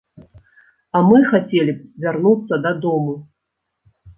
А мы хацелі б вярнуцца дадому.